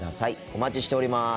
お待ちしております。